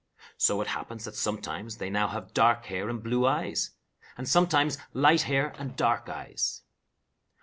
So it happens that sometimes they now have dark hair and blue eyes, and sometimes light hair and dark eyes.